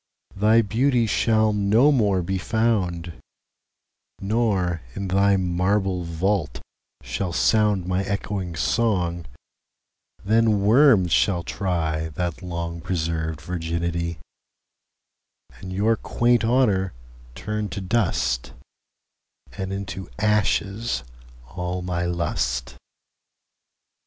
Thy Beauty shall no more be found; Nor, in thy marble Vault, shall soundMy ecchoing Song: then Worms shall tryThat long preserv'd Virginity:And your quaint Honour turn to dust; And into ashes all my Lust.